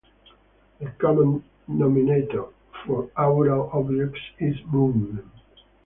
The common denominator for aural objects is movement.